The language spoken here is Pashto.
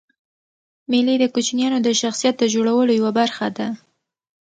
مېلې د کوچنيانو د شخصیت د جوړولو یوه برخه ده.